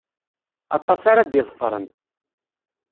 Aṭas ara d-iḍefṛen.